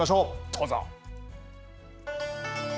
どうぞ。